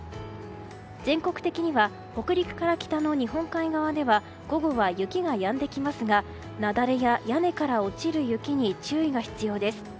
全国的には北陸から北の日本海側では午後は雪がやんできますが雪崩や、屋根から落ちる雪に注意が必要です。